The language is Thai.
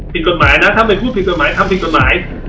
ผิดกฎหมายนะถ้าไม่พูดผิดกฎหมายทำผิดกฎหมาย